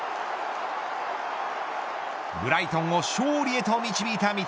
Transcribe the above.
ブライトンを勝利へと導いた三笘